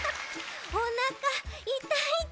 おなかいたいち。